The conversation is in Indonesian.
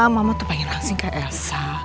mama tuh pengen langsing ke elsa